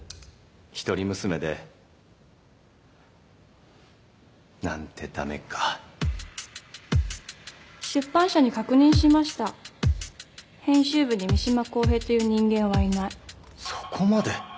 一人娘でなんてダメか出版社に確認しました編集部に三島公平という人間はいないそこまで？